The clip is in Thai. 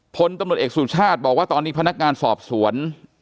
พลตำรวจเอกสุชาติบอกว่าตอนนี้พนักงานสอบสวน